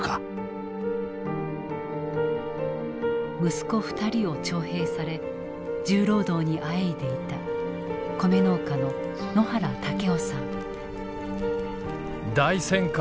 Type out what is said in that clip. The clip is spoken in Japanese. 息子２人を徴兵され重労働にあえいでいた米農家の野原武雄さん。